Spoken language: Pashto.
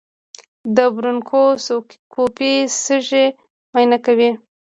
د برونکوسکوپي سږي معاینه کوي.